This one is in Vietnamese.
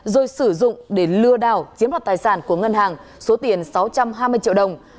rồi sử dụng để lừa đảo chiếm đoạt tài sản của ngân hàng số tiền sáu trăm hai mươi triệu đồng